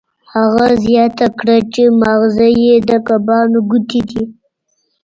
هغه زیاته کړه چې ماغزه یې د کبانو ګوتې دي